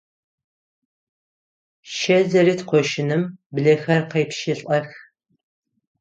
Щэ зэрыт къошыным блэхэр къепшылӀэх.